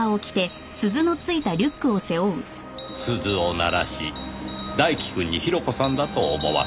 鈴を鳴らし大輝くんに広子さんだと思わせた。